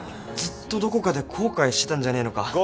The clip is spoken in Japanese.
ずっとどこかで後悔してたんじゃねえのか？